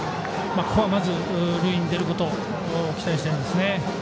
ここはまず塁に出ることを期待したいですね。